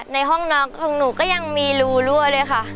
ในห้องนอนของหนูก็ยังมีรูรั่วเลยค่ะ